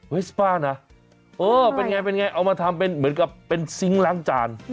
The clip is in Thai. สป้านะเออเป็นไงเป็นไงเอามาทำเป็นเหมือนกับเป็นซิงค์ล้างจาน